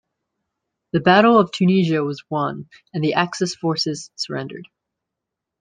The Battle of Tunisia was won, and the Axis forces surrendered.